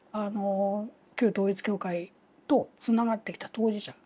旧統一教会とつながってきた当事者。